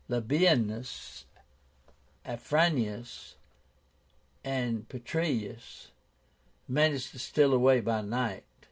Labiénus, Afranius, and Petreius managed to steal away by night.